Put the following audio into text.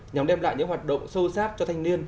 nhằm đem lại những hoạt động sâu sát cho thanh niên